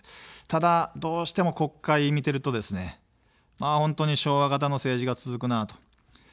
ただ、どうしても国会見てるとですね、本当に昭和型の政治が続くなと。